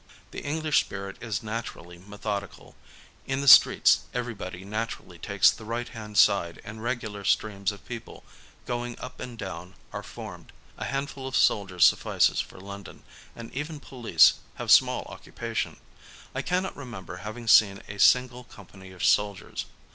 The English spirit is naturally methodical : in the streets everybody naturally takes the right hand side and regular streams of people going up and down are formed. A hand ful of soldiers suffices for London, and even police have small occupation. I cannot remember having seen a single company of soldiers.